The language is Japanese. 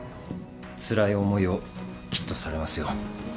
つらい思いをきっとされますよ。